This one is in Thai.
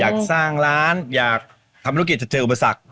อยากสร้างร้านอยากทำธุรกิจจะเจออุปสรรค